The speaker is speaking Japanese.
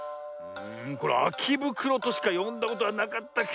これ「あきぶくろ」としかよんだことはなかったけど。